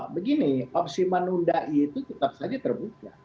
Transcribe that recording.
begini opsi menunda itu tetap saja terbuka